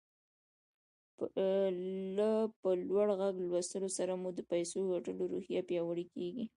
له په لوړ غږ لوستلو سره مو د پيسو ګټلو روحيه پياوړې کېږي.